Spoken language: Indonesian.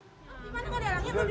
di mana mau diorangi